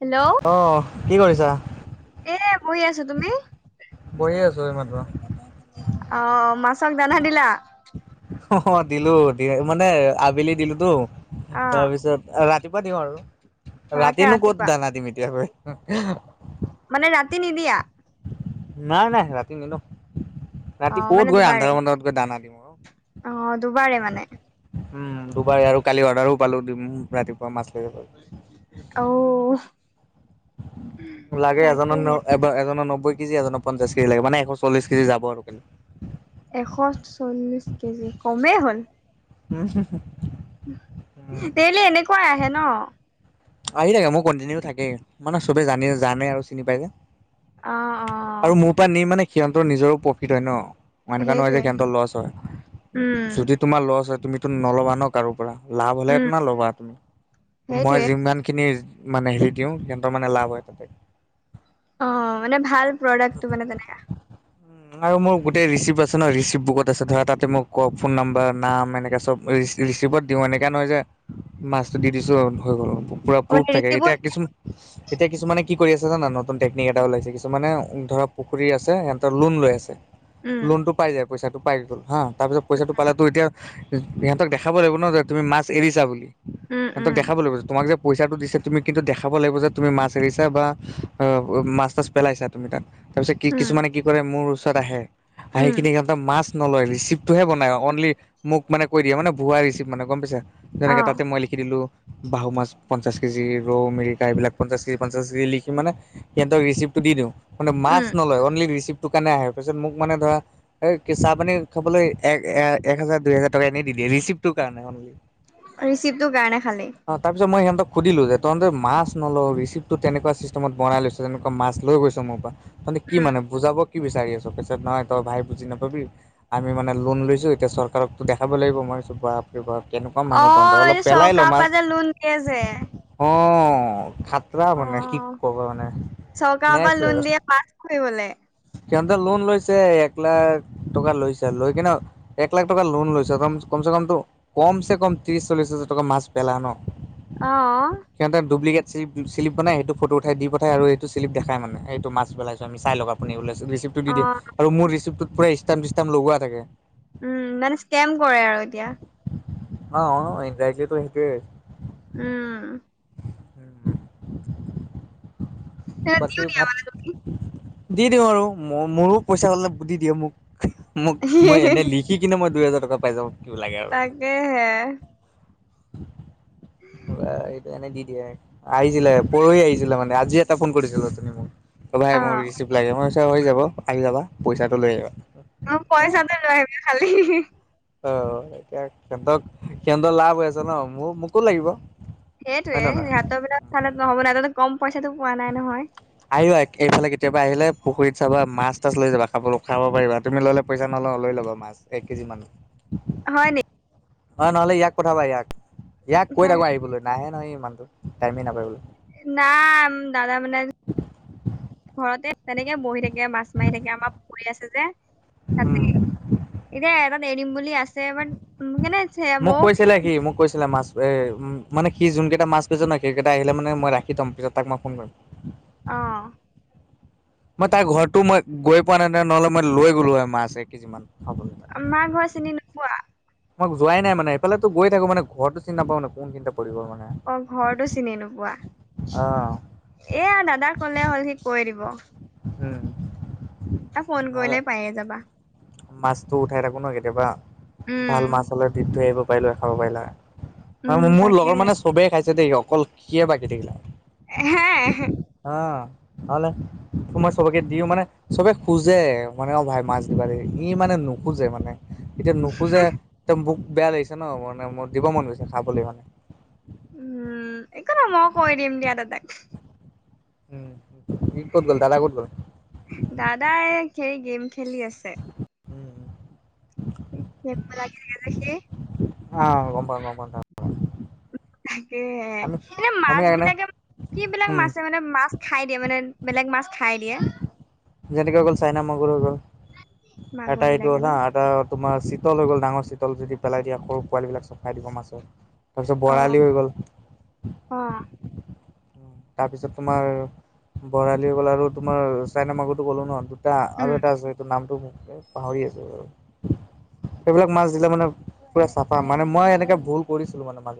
Hello. অ', কি কৰিছা। এ শুই আছো তুমি বহি আছো এমাত্ৰ। অ', মাছক দানা দিলা। অ', দিলো মানে আবেলি দিলোতো অ তাৰপিছত ৰাতি ৰাতিপোৱা দিওঁ আৰু, তাকে ৰাতিনো ক'ত ৰাতিপুৱা দানা দিম ইটিয়াগৈ। মানে ৰাতি নিদিয়া। নাই নাই ৰাতি নিদ, অ ৰাতি ক'ত মানে গৈ দুবাৰে আন্ধাৰ মুন্ধাৰ্ত গৈ দানা দিম আৰু। অ', দুবাৰে মানে। উম দুবাৰ আৰু কালি অৰ্ডাৰো পালো দিম ৰাতিপুৱা মাছ লৈ গ'ল। ঔ। লাগে এজন তাকেহে এজনক নব্বৈ কেজি এজনক পঞ্চাশ কেজি লাগে মানে আকৌ চল্লিশ কেজি যাব আৰু কিন এশ চল্লিছ কেজি কমেই হ'ল। উম হু হু [unintelligible] ডেইলী এনেকুৱাই আহে ন? আহি থাকে মোৰ কণ্টিনিউ থাকেই মানে চবে জানে জানে আৰু চিনি পাই যে। অ অ আৰু মোৰ পৰা নি মানে সিহঁতৰ নিজৰো প্ৰফিট হয় ন। মানে এনেকোৱা নহয় যে সেইটোৱে সিহঁতৰ লষ্ট উম হয়। তোমাৰ লষ্ট হয় তুমিটো নল'বা ন কাৰো পৰা, লাভ হ'লে উম হে ল'বা। মই সেইটোৱে ইমানখিনি মানে হেৰি দিওঁ সিঁহতৰ মানে লাভ হয়। অ' মানে ভাল প্ৰডাক্টটো মানে তেনেকােৱা। আৰু মোৰ গোটেই ৰিচিপ্ট আছে ন ৰিচিপ্ট বুকত আছে, ধৰা তাতে মোক ফোন নাম্বাৰ নাম এনেকা চব ৰিচিপত দিওঁ এনেকুৱা নহয় যে মাছটো দি দিছো হৈ গ'ল। পুৰা প্ৰুফ মানে থাকে, ৰিচিভত এতিয়া কিছুমানে এতিয়া কিছুমানে কি কৰি আছে জানা, নতুন টেকনিক এটা ওলাইছে কিছুমানে ধৰা পুখুৰী আছে সিহ'তৰ লোন লৈ আছে। উম লোনটো পাই যায় পইচাটো পাই গ'ল হা তাৰিছত পইচাটো পালাতো এতিয়া সিহঁতক দেখাব লাগিব ন যে তুমি মাছ এৰিছা বুলি, উম সিহঁতক উম দেখাব লাগিব তোমাক যে পইচাটো দিছে তুমি কিন্তু দেখাব লাগিব, যে তুমি মাছ এৰিছা বা মাছ তাছ পেলাইছা তুমি তাত। তাৰপিছত কি উম কিছুমানে কি কৰে মোৰ ওচৰত আহে, আহি উম কিনে মাছ নলয় ৰিচিপ তটোহে বনাই অনলি মোক মানে কৈ দিয়া মানে ভুৱা ৰিচিপ মানে গ'ম পাইছা অ যেনেকে তাতে মই লি লিখি দিলোঁ বাহু মাছ পঞ্চাছ কেজি ৰৌ মিৰিকা এইবিলাক পঞ্চাছ কেজি পঞ্চাছ কেজি লিখি মানে সিহঁতক ৰিচিপটো দিওঁ মানে মাছ উম নলয়, অনলি ৰিচিপ্টো কাৰণে আহে। পিছত মোক মানে ধৰা এই চাহ পানী খাবলৈ এক হাজাৰ দুই হাজাৰ টকা এনেই দি দিয়ে ৰিচিপ্টটোৰ কাৰণে অ'নলি। ৰিচিপটটোৰ কাৰণে খালি। অ' তাৰপিছত মই সিহঁতক সধিলো যে তহঁতে মাছ নলৱ, ৰিচিপটটো তেনেকুৱা চিষ্টেত বনাই লৈছ, তেনেকুৱা মাছ লৈছে মোক মানে উম কি মানে বুজাব কি বিচাৰি আছঁ, পিছে নহয় তই ভাই বুজি নাপাবি, আমি মানে লোন লৈছোঁ এতিয়া চৰকাৰক দেখাব লাগিব, মই বোলো বাপ ৰে' বাপ কেনেকুৱা মানুহ তঁহতে অ', এই অলপ পেলাই ল চৰকাৰৰ পৰা মাছ। যে লোন দিয়ে যে। অ' খাটৰা অ মানে কি ক'বা মানে নেক্স লেবেল। ফুৰিবলে? সিঁহতে লোন লৈছে এক লাখ টকা লৈছে, লৈ কিনে এক লাখ টকাৰ লোন লৈছে কমছে কম টো কমছে কম ত্ৰি চল্লিছ হাজাৰ টকা মাছ পেলাই ন। অ'। সিহঁতে ডুপ্লিকেট চিলিপ বনাই সেইটো ফটো উঠাই দি পঠাই, আৰু এইটো্ চিলিপ দেখাই মানে এইটো মাছ পেলাইছো আমি চাই লওঁক। আপনি ও ৰিচিপটো দি দিয়ে অ', আৰু মোৰ চিলিপটোট পুৰা ষ্টাম চষ্টাম লগোৱা থাকে। উম, জান কেম কৰে আৰু এতিয়া। অ' ইনডাইৰেক্টলি সেইটোৱে। উম। উ দিও বাকী দিয়া ভাত, মানে তুমি। দি দিওঁ আৰু ম মোৰো পইচা ওলালে দি দিয়ে মোক। মোক মই এনেই লিখি কিনে মই দুই হেজাৰ টকা পাই যওঁ, কিব লাগে আৰু। এহে উ এইটো এনে দি দিয়ে, আহিছিলে পৰহি আহিছিলে মানে আজি এটা ফোন কৰিছিল তুমি মোক। অ' ভাই মোৰ ৰিচিপ্ট লাগে, মই হৈ যাব আহি যাবা পইচাটো লৈ আহিবা। অ', পইচাটো লৈ আহিবি খালি। অ', এতিয়া সিহঁতক, সিহঁতৰ লাভ হৈ আছে ন, মোৰ মোকো লাগিব। সেইটোৱে, হয় নে নহয় সিহঁতৰবিলাক চালে নহব নহয়। সিহঁতেতো কম পইচাটো পোৱা নাই নহয়। আহিবা, এইফালে কেতিয়াবা আহিলে, পুখুৰীত চাবা মাছ-তাছ লৈ যাবা খাবলে। খাব পাৰিবা তুমি ল'লে পইচা নল'ওঁ লৈ ল'বা মাছ, এক কেজি মান। হয়, নেক অ', নহ'লে ইয়াক পঠাবা ইয়াক। ইয়াক, কৈ থাকোঁ আহিবলৈ। নাহে নহয় ইমানুহটো, টাইমেই নাপায় বোলে। [unintelligible] দাদা মানে ঘৰতে তেনেকে বহি থাকে, মাছ মাৰি থাকে, আমাৰ পুখুৰী আছে যে। তাতে, উম এতিয়া এটাত এৰি দিম বুলি আছে, বাট কেনে [unintelligible] মোক কৈছিলে সি, মোক কৈছিলে মাছ এ মানে সি যোন কেইটা মাছ লৈছে ন, সেই কেইটা আহিলে মানে মই ৰাখি থ'ম। পিছত তাক মই ফোন কৰিম। অ'। মই তাৰ ঘৰটো মই গৈ পোৱা নাই নহয়। নহ'লে মই লৈ গ'লো হয় মাছে এক কেজিমান খাবলৈ। মাৰ ঘৰ চিনি নোপোৱা মই যোৱাই নাই মানে, এইফালেটো গৈ থাকো মানে ঘৰটো চিনি নাপাওঁ ন, কোন সিনিতে পৰিব মানে। অ', ঘৰটো চিনি নোপোৱা। অ' এয়া দাদাক ক'লে হ'ল সি কৈ দিব। উম। তাক ফোন কৰিলে পাইয়ে যাবা। মাছতো উঠাই থাকো ন কেতিয়াবা, উম ভাল মাছ হ'লে দি থৈ আহিব পাৰিলো হয় খাব পাৰিলা উম হয়। মোৰ তাকে লগৰ মানে চবেই খাইছে দেই, অকল সি হে বাকি থাকিল। হে। অ'। তোমৰ চবকে দিওঁ মানে, চবে খোঁজে মানে, অ', ভাই মাছ দিবা দে। ই মানে নোখোজে মানে। এতিয়া নোখোজে একদম মোক বেয়া লাগিছে ন, মানে মোৰ দিব মন গৈছে খাবলৈ মানে। উম, একো নহয়, মই কৈ দিম দিয়া দাদাক। উম, সি ক'ত গ'ল, দাদা ক'ত গ'ল? দাদা, এই সেই গেম খেলি আছে। উম [unintelligible] লাগি থাকে যে সি। অ', গম পাওঁ, গম পাওঁ, তাৰ তাকে, আমি এনে আমি মাছ এনে বিলাকে, কি বিলাক উম মাছে মানে মাছ খাই দিয়ে মানে। বেলেগ মাছ খাই দিয়ে যেনেকে হৈ গ'ল, চাইনা মাগুৰ হৈ গ'ল। মাগুৰ এটা এইটো বিলাকে ন এটা, আৰু এটা তোমাৰ চিতল হৈ গ'ল, ডাঙৰ চিতল, যদি পেলাই দিয়া সৰু পোৱালিবিলাক চব খাই দিব মাছে। তাৰপিছত অ বৰালি হৈ গ'ল। অ তাৰপিছত তোমাৰ বৰালি হৈ গ'ল, আৰু তোমাৰ চাইনা মাগুৰটো ক'লো ন। এটা উম আৰু এটা আছে সেইটো নামটো পাহৰি আছোঁ। সেইবিলাক মাছ দিলে মানে পুৰা চাফা, মানে মই এনেকে ভুল কৰিছিলো মানে মাছ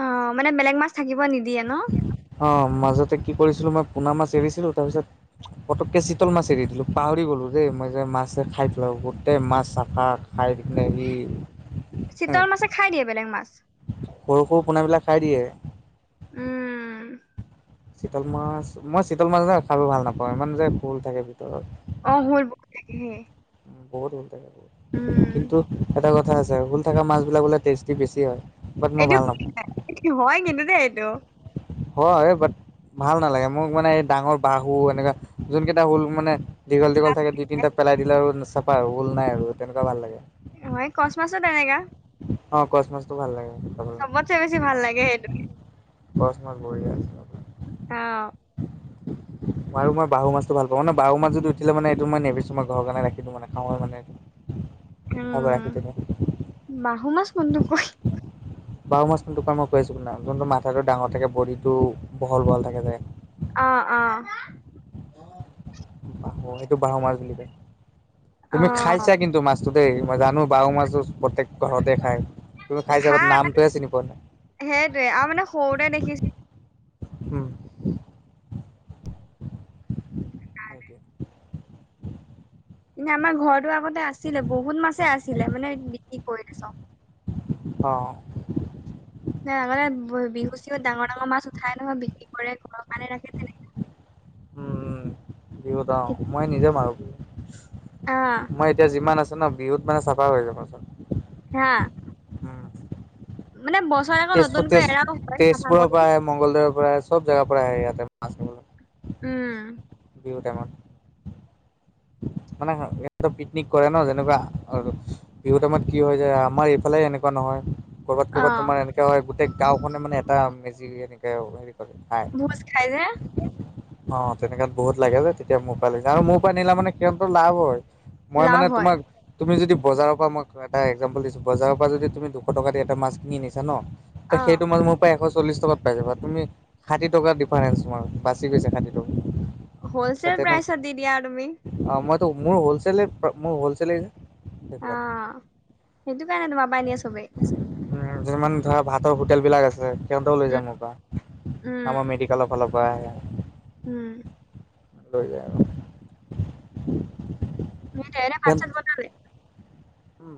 অ', মানে বেলেগ মাছ থাকিব নিদিয়ে ন। অ', মাজতে কি কৰিছিলো, মই পুনা মাছ এৰিছিলো তাৰপিছত পটকে চিতল মাছ এৰি দিলো, পাহৰি গ'লো দেই মই যে মাছ খাই পেলাব গোটেই মাছ চাফা। চিতল [unintelligible] মাছে খাই দিয়ে বেলেগ মাছ। সৰু সৰু পোনাবিলাক খাই দিয়ে। উম। চিতল মাছ মই চিতল মাছ যে খাব ভাল নাপাওঁ ইমান যে হুল থাকে ভিতৰত। অ হুল বহুত তাকেহে। বহুত হুল থাকে, কিন্তু এটা কথা আছে হুল থকা মাছবিলাক বোলে টেষ্টি বেছি হয়। বাট মই ভাল এইটো হয় কিন্তু দেই এইটো। হয় বাট ভাল নালাগে মোক মানে এই ডাঙৰ বাহু এনেকুৱা যোন কেইটা হুল মানে দীঘল দীঘল থাকে দুই, তিনিটা পেলাই দিলে আৰু চাফা আৰু হুল নাই আৰু তেনেকুৱা ভাল লাগে। অ এই ক'চ মাছো তেনেকুৱা। অ ক'চ মাছটো ভাল লাগে। খাবলৈ চবতচে বেছি ভাল লাগে সেইটো। ক'চ মাছ বঢ়িয়া। অ। আৰু মই বাহু মাছটো ভালাপাওঁ মানে বাহু মছ যদি উঠিলে মানে এইটো মই নেবিছো মই ঘৰ কাৰণে ৰাখি দিওঁ মানে খাওঁ মানে। খাব উম। ৰাখি থৈ দিওঁ। বাহু মাছ কোনটোক কই? বাহু মাছ কোনটোক কই মই কৈ আছো যোনটো মাথাটো ডাঙৰ থাকে বডিটো বহল বহল থাকে যে। অ অ। ক সেইটো বাহু মাছ বুলি কয় তুমি অ' খাইছা কিন্তু মাছ মাছটো দেই মই জানো বাহু মাছটো প্ৰত্যেক ঘৰতে খায়। তুমি খাইছা বাট খাই নামটোহে চিনি পোৱা নাই সেইটোৱে আৰু মানে সৰুতে দেখিছো। উম। সেইটোৱে ইনে আমাৰ ঘৰটো আগতে আছিলে বহুত মাছেই আছিলে মানে বিক্ৰী কৰিলে চব। অ। আগতে বিহু-চিহুত ডাঙৰ ডাঙৰ মাছ উঠাই নহয় বিক্ৰী কৰে ঘৰৰ কাৰণে ৰাখে তেনেকে। উম উম, বিহুত অ মই নিজে মাৰো। অ। মই এতিয়া যিমান আছে ন বিহুত মানে চাফা কৰি দিওঁ মই চব। হা। উম। মানে বছৰত আকৌ তেজপুৰ তেজ নতুনকৈ এৰাও হয় চাফা তেজপুৰৰ পৰা কৰিম। আহে মংগলদৈৰ পৰা আহে চব জেগাৰ পৰাই আহে ইয়াতে মাছ খাবলৈ উম। বিহু টাইমত। মানে ইয়াতো পিকনিক কৰে ন যেনেকুৱা আৰু বিহুৰ টাইমত কি হয় যায় আমাৰ এইফালে এনেকুৱা নহয়। ক'ৰবাত অ ক'ৰবাত তোমাৰ এনেকা হয় গোটেই গাঁওখনে মানে এটা মেজি এনেকে হেৰি কৰে খাই। ভোজ খাই যে। অ তেনেকাত বহুত লাগে যে তেতিয়া মোৰ পৰাই লৈ যায় আৰু মোৰ পৰা নিলে মানে সিহঁতৰ লাভ হয়। মই মানে লাভ হয় তোমাক তুমি যদি বজাৰৰ পৰা মই কিবা এটা একজাম্পুল দিছো বজাৰৰ পৰা যদি তুমি দুশ টকা দি এটা মাছ কিনি নিছা ন ত অ সেইটো মাছ মোৰ এশ চল্লিশ টকাত পাই যাবা, তুমি ষাঠি টকাৰ ডিফাৰেন্ঞ্চ তোমাৰ বাচি গৈছে ষাঠি টকা। হলচেল তেনে প্ৰাইছত দি দিয়া তুমি। অ মইটো মোৰ হলছেলেই মোৰ হলছেলেই। অ সেইটো কাৰণে সেইটো কাৰণে তোমাৰ পৰা নিয়ে চবেই [unintelligible] উম যিমান ধৰা ভাতৰ হোটেল বিলাক আছে সিহঁতেও লৈ উম যায় মোৰ পৰা উম আমাৰ মেডিকেলৰ ফালৰ। বা উম। লৈ যায় আৰু। [inaudible] [unintelligible] ভাত সিহঁত চাত বনালি।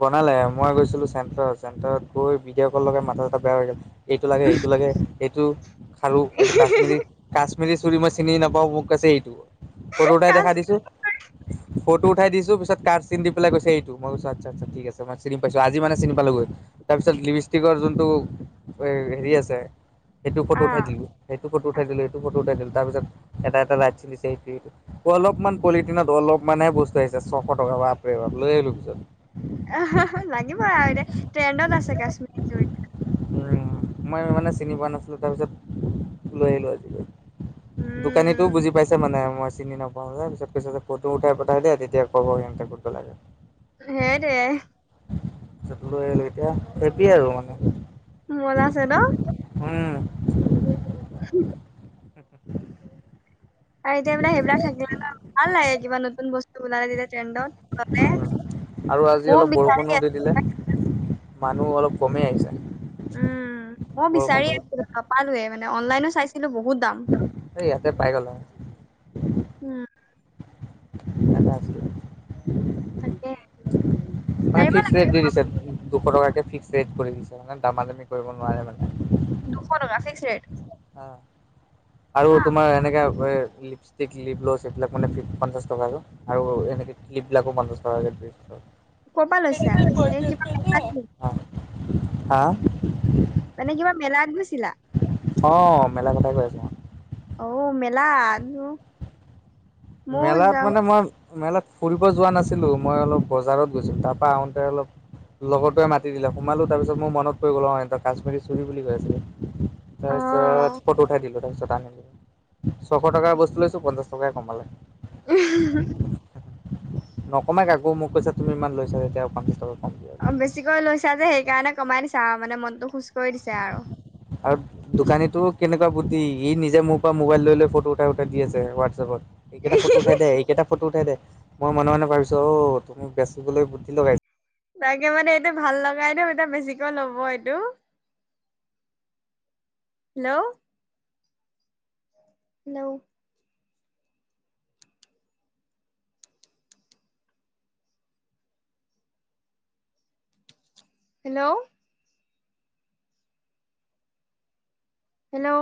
বনালে মই গৈছিলো চেণ্টাৰত, চেণ্টাৰত গৈ ভিডিঅ' ক'ল লগাই মাথা চাথা বেয়া হৈ গ'ল। এইটো লাগে এইটো লাগে এইটো খাৰু এইটো কাশ্মীৰী কাচ মিলি চুৰি মই চিনি নাপাওঁ মোক কৈছে [unintelligible] ফটো তাই দেখাই কাশ্মীৰ দিছোঁ। ফটো উঠাই দিছোঁ পিছত কাৰ চিন দি পেলাই কৈছে এইটো মই আচ্ছা আচ্ছা ঠিক আছে মই চিনি পাইছোঁ আজি মানে চিনি পালোঁ গৈ তাৰপিছত লিপিষ্টিকৰ যোনটো। হেৰি আছে সেইটো ফটো অ উঠাই দিলোঁ সেইটো ফটো উঠাই দিলোঁ সেইটো ফটো উঠাই দিলোঁ তাৰপিছত। এটা এটাত ৰাইট চিন দিছে এইটো, এইটো। অলপমান পলিথিনত অলপমানহে বস্তু আহিছে ছশ টকা বাপৰে বাপ লৈ আহিলোঁ পিছত। [unintelligible] লাগিবই আৰু এতিয়া ট্ৰেণ্ডত আছে কাশ্মীৰী চুৰি। উম মই মানে চিনি পোৱা নাছিলো তাৰ পিছত লৈ আহিলো আজিলৈ। দোকানীটোও উম বুজি পাইছে মানে মই চিনি নাপ [unintelligible] পিছত কৈছে যে ফটো উঠাই পঠাই দিয়া তেতিয়া ক'ব সিহঁতে ক'ব কোনটো লাগে। হে দে। [unintelligible] লৈ আহিলো এতিয়া হেপি আৰু মানে। [unintelligible] হুম। [inaudible] [inaudible] আৰু এতিয়া মানে সেই বিলাক থাকিল ভাল লাগে কিবা নতুন বস্তু উলাই দিলে ট্ৰেণ্ডত। গ'লে উম আৰু আজি ময়ো অলপ বিচাৰি বৰষুণও দি আছিলো দিলে। পাই। মানুহ অলপ কমেই আহিছে। উম মই বৰষুণটো বিচাৰি আছিলোঁ নাপালোৱে মানে অনলাইনত চাইছিলোঁ বহুত। দাম। এই ইয়াতে পাই গ'লা। উম। এটা আছিলে। তাকে। মানে বিচাৰিব ফিক্স লাগে ৰেট দি দিছে দুশ টকাকে ফিক্স ৰেট কৰি দিছে মানে দামা দামি কৰিব নোৱাৰে মানে। দুশ টকা ফিক্স ৰেট। অ আৰু হা তোমাৰ এনেকা এই লিপছ ক্লিপ্ল লিপ লজ সেই বিলাক মানে পঞ্চাছ টকা আৰু, আৰু এনেকৈ ক্লিপবিলাকো পঞ্চাছ টকাকে। [unintelligible] ক'ৰ পৰা লৈছা? এই কিবা। [unintelligible] অ, হা। মানে কিবা মেলাত গৈছিলা। অ মেলাৰ কথাই কৈ আছোঁ মই। ঔ মেলা। [unintelligible] মেলাত মানে মই। মেলাত ফুৰিব যোৱা নাছিলো মই অলপ বজাৰত গৈছিলোঁ তাৰ পৰা আহোঁতে অলপ। লগৰটোৱে মাতি দিলে সোমালো তাৰপিছত মোৰ মনত পৰি গ'ল অ সিহঁতে কাশ্মীৰী চুৰি বুলি কৈ আছিলে। অ' তাৰপিছত ফটো উঠাই দিলোঁ তাৰ পিছত আনিলোঁ। ছশ টকাৰ বস্তু লৈছো পঞ্চাশ টকাই কমালে নকমাই কাকো মোক কৈছে তুমি ইমান লৈছা যেতিয়া পঞ্চাশ টকা কম দিয়া। অ' বেছিকৈ লৈছা যে সেই কাৰণে কমাই দিছে আৰু মানে মনটো খুশ কৰি দিছে আৰু আৰু [unintelligible] দোকানিটোৰ কেনেকুৱা বুদ্ধি সি নিজে মোৰ পৰা মোবাইল লৈ লৈ ফটো উঠাই উঠাই দি আছে হোৱাটছএপত এইকেইটা ফটো উঠাই দে এইকেইটা ফটো উঠাই দে মই মনে মনে ভাবিছো অ তুমি বেচিবলৈ বুদ্ধি লগাইছা তাকে মানে এইটো ভাল লগাই দিও এতিয়া বেছিকৈ ল'ব এইটো হেল্ল' হেল্ল হেল্ল' হেল্ল'